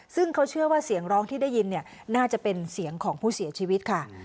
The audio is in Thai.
ซึ่งเขาเชื่อว่าเสียงร้องที่ได้ยินเนี่ยน่าจะเป็นเสียงของผู้เสียชีวิตค่ะ